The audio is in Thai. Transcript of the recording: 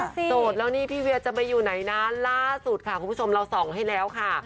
โสดแล้วนี่พี่เวียจะไปอยู่ไหนนะล่าสุดค่ะคุณผู้ชมเราส่องให้แล้วค่ะ